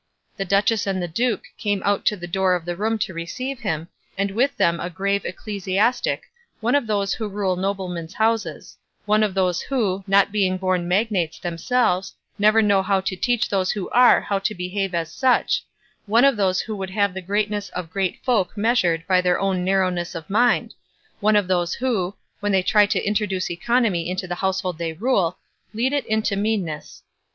The duchess and the duke came out to the door of the room to receive him, and with them a grave ecclesiastic, one of those who rule noblemen's houses; one of those who, not being born magnates themselves, never know how to teach those who are how to behave as such; one of those who would have the greatness of great folk measured by their own narrowness of mind; one of those who, when they try to introduce economy into the household they rule, lead it into meanness.